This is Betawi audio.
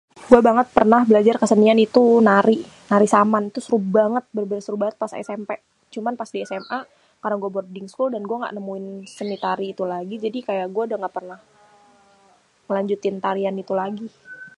dulu banget pernah belajar kesenian itu nari nari saman tuh seru banget bênêr-bênêr pas smp cuma pas di sma karna gué udh ada èskul dan gué ga nemuin seni tari itu lagi jadi kaya gué udéh gapernah lanjutin tarian itu lagi.